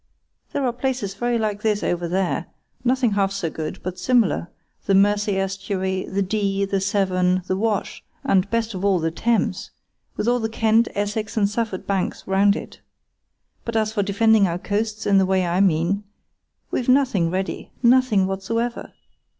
There are places very like this over there—nothing half so good, but similar—the Mersey estuary, the Dee, the Severn, the Wash, and, best of all, the Thames, with all the Kent, Essex, and Suffolk banks round it. But as for defending our coasts in the way I mean—we've nothing ready—nothing whatsoever!